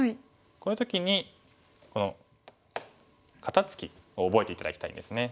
こういう時にこの肩ツキを覚えて頂きたいんですね。